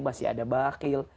masih ada bakil